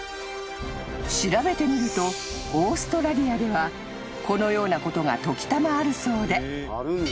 ［調べてみるとオーストラリアではこのようなことが時たまあるそうで］